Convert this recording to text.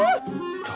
誰？